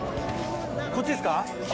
こっちですか？